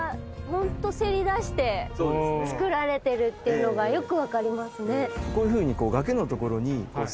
ホントせり出して造られてるっていうのがよくわかりますね。